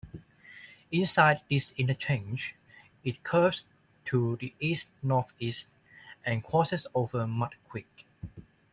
Inside this interchange, it curves to the east-northeast and crosses over Mud Creek.